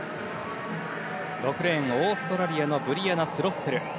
６レーンオーストラリアのブリアナ・スロッセル。